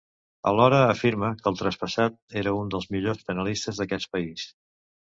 Alhora afirma que el traspassat era “un dels millors penalistes d’aquest país”.